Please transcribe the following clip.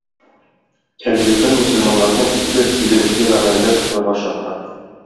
Әлеге көн мөселманнарны изге, игелекле гамәлләр кылырга чакыра.